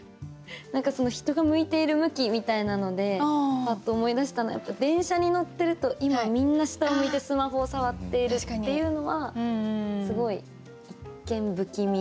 何か人が向いている向きみたいなのでパッと思い出したのは電車に乗ってると今みんな下を向いてスマホを触っているっていうのはすごい一見不気味。